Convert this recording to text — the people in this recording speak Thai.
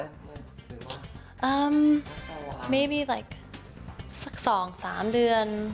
อืมสัก๒๓เดือน